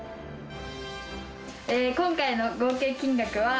今回の合計金額は。